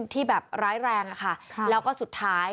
ที่แบบร้ายแรงอะค่ะแล้วก็สุดท้าย